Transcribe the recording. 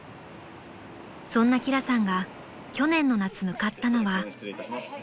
［そんな輝さんが去年の夏向かったのは］